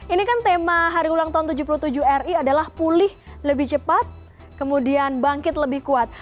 ini kan tema hari ulang tahun tujuh puluh tujuh ri adalah pulih lebih cepat kemudian bangkit lebih kuat